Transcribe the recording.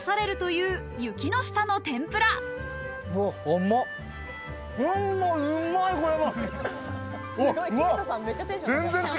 うまい、これは。